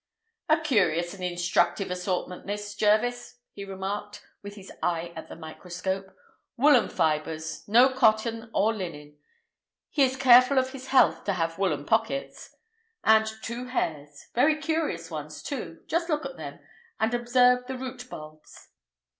"A curious and instructive assortment this, Jervis," he remarked, with his eye at the microscope: "woollen fibres—no cotton or linen; he is careful of his health to have woollen pockets—and two hairs; very curious ones, too. Just look at them, and observe the root bulbs."